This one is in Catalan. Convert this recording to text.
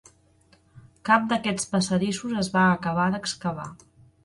Cap d'aquests passadissos es va acabar d'excavar.